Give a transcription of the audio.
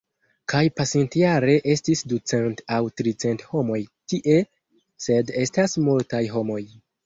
Kaj pasintjare estis ducent aŭ tricent homoj tie sed estas multaj homoj.